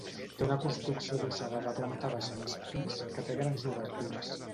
Té una construcció adossada de planta baixa més pis que té grans obertures.